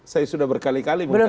saya sudah berkali kali mengatakan